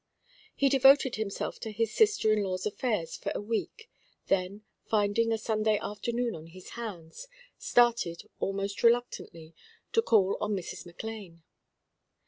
He devoted himself to his sister in law's affairs for a week, then, finding a Sunday afternoon on his hands, started, almost reluctantly, to call on Mrs. McLane.